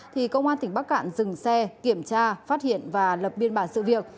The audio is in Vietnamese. thì công an tỉnh bắc cạn dừng xe kiểm tra phát hiện và lập biên bản sự việc